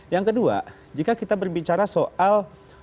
yang kedua jika kita berbicara soal